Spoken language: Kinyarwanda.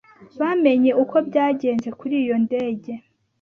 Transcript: Bamenye uko byagenze kuri iyo ndege?